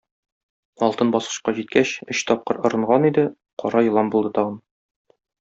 Алтын баскычка җиткәч, өч тапкыр орынган иде, кара елан булды тагын.